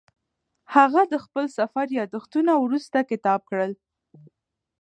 هغه د خپل سفر یادښتونه وروسته کتاب کړل.